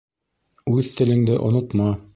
Үҙ телеңде онотма